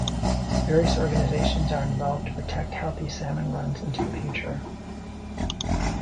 Various organizations are involved to protect healthy salmon runs into the future.